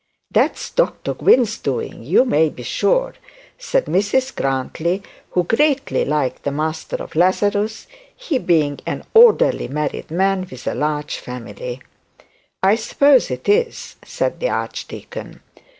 'That's Dr Gwynne's doing, you may be sure,' said Mrs Grantly, who greatly liked the master of Lazarus, he being an orderly married man with a large family. 'I suppose it is,' said the archdeacon.